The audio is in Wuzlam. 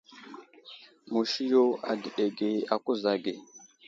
Musi yo adəɗege a kuza age.